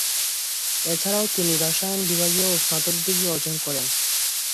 এছাড়াও তিনি রসায়ন বিভাগেও স্নাতক ডিগ্রি অর্জন করেন।